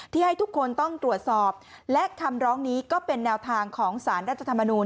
ให้ทุกคนต้องตรวจสอบและคำร้องนี้ก็เป็นแนวทางของสารรัฐธรรมนูล